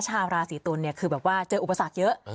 ชาวราศีตุลเนี่ยคือแบบว่าเจออุปสรรคเยอะ